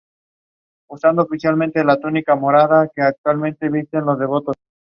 Este aumenta cuando no es ganado, y no tiene límite.